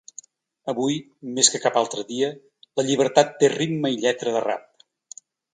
Avui més que cap altre dia, la llibertat té ritme i lletra de rap.